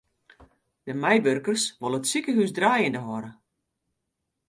De meiwurkers wolle it sikehús draaiende hâlde.